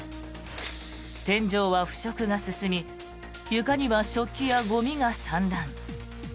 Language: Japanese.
天井は腐食が進み床には食器やゴミが散乱。